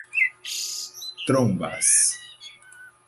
Trombas